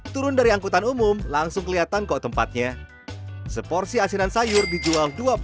turun dari angkutan umum langsung kelihatan kok tempatnya seporsi asinan sayur dijual dua puluh